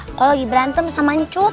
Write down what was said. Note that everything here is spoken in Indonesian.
aku lagi berantem sama encut